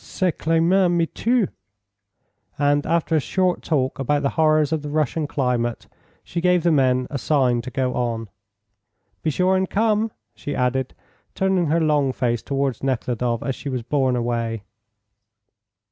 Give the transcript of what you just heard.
Ce climat me tue!" And, after a short talk about the horrors of the Russian climate, she gave the men a sign to go on. "Be sure and come," she added, turning her long face towards Nekhludoff as she was borne away.